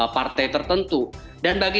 partai tertentu dan bagi